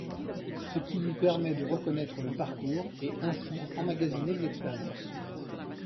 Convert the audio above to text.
Ce qui lui permet, de reconnaître le parcours et ainsi emmagasiner de l’expérience.